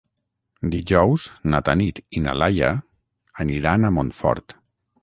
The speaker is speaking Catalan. Dijous na Tanit i na Laia aniran a Montfort.